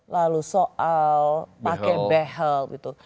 lalu soal pakai behel gitu